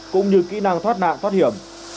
cũng như kỹ năng thoát nạn thoát hiểm